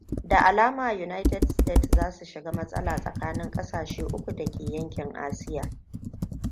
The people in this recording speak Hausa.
Da alama United States za su shiga matsala tsakanin ƙasashe uku dake yankin Asia.